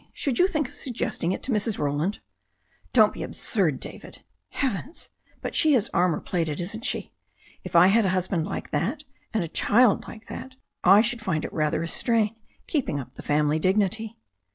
Should you think of suggesting it to Mrs. Roland?" "Don't be absurd, David. Heavens! But she is armor plated, isn't she? If I had a husband like that and a child like that I should find it rather a strain keeping up the family dignity."